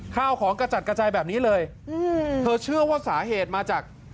ข้าวของกระจัดกระจายแบบนี้เลยอืมเธอเชื่อว่าสาเหตุมาจาก